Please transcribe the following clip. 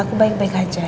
aku baik baik aja